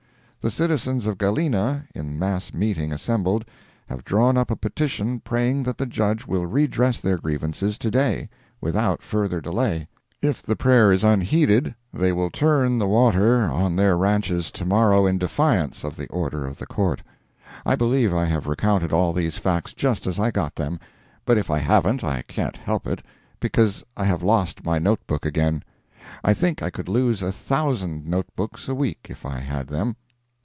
The citizens of Galena, in mass meeting assembled, have drawn up a petition praying that the Judge will redress their grievances to day, with out further delay. If the prayer is unheeded, they will turn the water on their ranches to morrow in defiance of the order of the court. I believe I have recounted all these facts just as I got them; but if I haven't, I can't help it, because I have lost my note book again. I think I could lose a thousand note books a week if I had them.